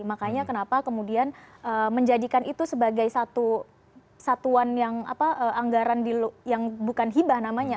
makanya kenapa kemudian menjadikan itu sebagai satuan yang anggaran yang bukan hibah namanya